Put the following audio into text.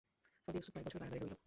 ফলে ইউসুফ কয়েক বছর কারাগারে রইল।